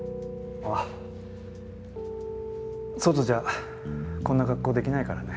ああ外じゃこんな格好できないからね。